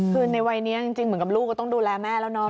คือในวัยนี้จริงเหมือนกับลูกก็ต้องดูแลแม่แล้วเนาะ